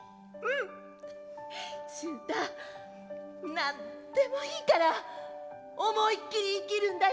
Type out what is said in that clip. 何でもいいから思いっきり生きるんだよ！